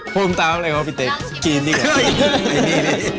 ผมตามเลยว่าพี่เต้กกินดีกว่า